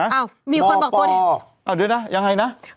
อ้าวมีคนบอกตัวจริงมอปออ้าวเดี๋ยวนะยังไงนะ